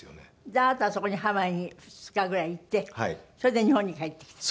であなたはそこにハワイに２日ぐらいいてそれで日本に帰ってきて。